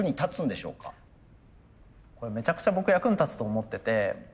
これめちゃくちゃ僕役に立つと思ってて。